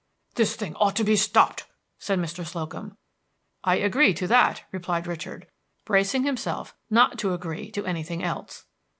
"This thing ought to be stopped," said Mr. Slocum. "I agree to that," replied Richard, bracing himself not to agree to anything else.